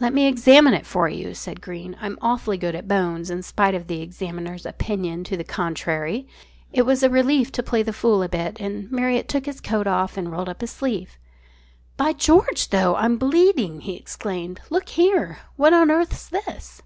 "Let me examine it for you," said Greene. "I'm awfully good at bones in spite of the examiners' opinion to the contrary." It was a relief to play the fool a bit, and Marriott took his coat off and rolled up his sleeve. "By George, though, I'm bleeding!" he exclaimed. "Look here! What on earth's this?"